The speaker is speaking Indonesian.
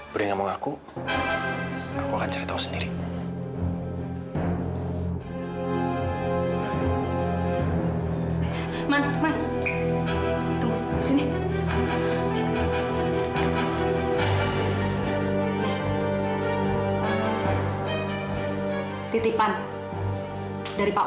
titipan dari pak wisnu